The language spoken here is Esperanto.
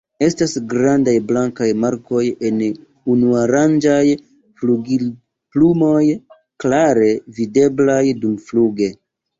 Estas grandaj blankaj markoj en unuarangaj flugilplumoj, klare videblaj dumfluge.